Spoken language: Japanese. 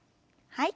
はい。